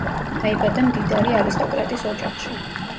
დაიბადა მდიდარი არისტოკრატის ოჯახში.